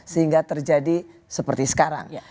sehingga terjadi seperti sekarang